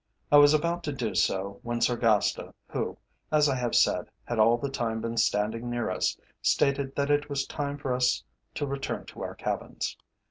I was about to do so when Sargasta who, as I have said, had all the time been standing near us, stated that it was time for us to return to our cabins.